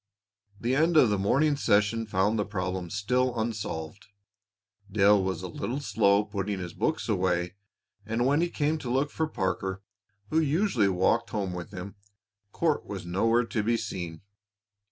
The end of the morning session found the problem still unsolved. Dale was a little slow putting his books away, and when he came to look for Parker, who usually walked home with him, Court was nowhere to be seen.